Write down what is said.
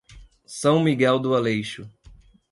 São Miguel do Aleixo